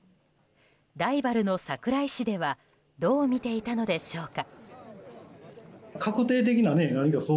ライバルの桜井市ではどう見ていたのでしょうか。